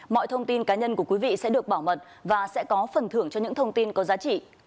mọi thông tin cá nhân của quý vị sẽ được bảo mật và sẽ có phần thưởng cho những thông tin có giá trị